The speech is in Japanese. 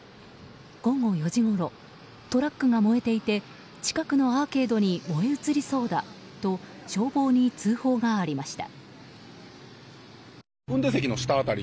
午後４時ごろトラックが燃えていて近くのアーケードに燃え移りそうだと消防に通報がありました。